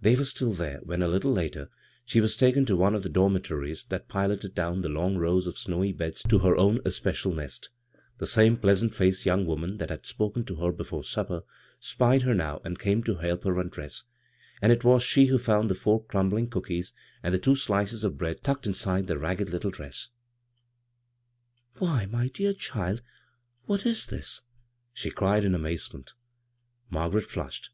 They were still there when, a little later, she was taken to one of the dormitories and piloted down the long rows of snowy beds to her own especial nest The same pleasant faced young woman tliat had spoken to her before supper spied her now, and came to help her undress ; and it was she who found the four crumbling cookies and the two slices of bread tucked inside of the ragged little dress. " Why, my dear child [ what is this ?" she cried in amazement. Margaret flushed.